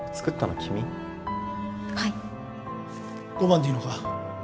５万でいいのか？